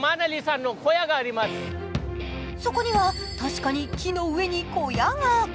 そこには確かに木の上に小屋が。